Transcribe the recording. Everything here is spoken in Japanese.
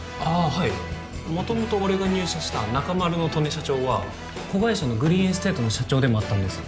はいもともと俺が入社したナカマルの刀根社長は子会社のグリーンエステートの社長でもあったんです